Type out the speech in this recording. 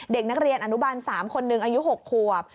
เด็กนักเรียนอนุบาล๓คนหนึ่งอายุ๖ขวบ